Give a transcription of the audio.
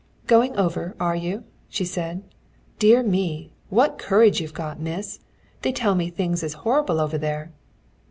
"Going over, are you?" she said. "Dear me, what courage you've got, miss! They tell me things is horrible over there."